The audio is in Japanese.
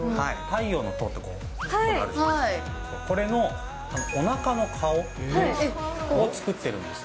太陽の塔って、こういうのあるでしょ、これのおなかの顔を作ってるんです。